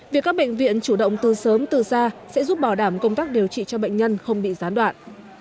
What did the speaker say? việc các bệnh viện chủ động từ sớm từ xa sẽ giúp bảo đảm công tác điều trị cho bệnh nhân không bị gián đoạn